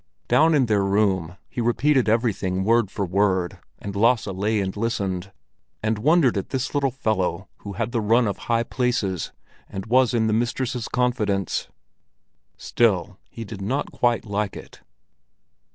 Down in their room he repeated everything word for word, and Lasse lay and listened, and wondered at this little fellow who had the run of high places, and was in the mistress's confidence. Still he did not quite like it.